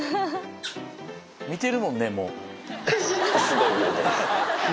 見てるもんねもう。